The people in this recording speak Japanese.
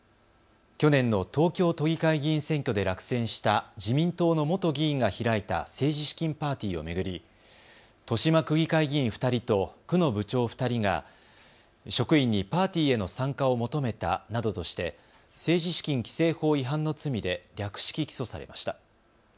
去年の東京都議会議員選挙で落選した自民党の元議員が開いた政治資金パーティーを巡り豊島区議会議員２人と区の部長２人が職員にパーティへの参加を求めたなどとして政治資金規制法違反の罪で略式起訴されました。